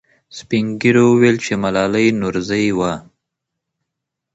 سپین ږیرو وویل چې ملالۍ نورزۍ وه.